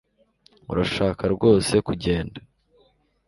Urashaka rwose kugenda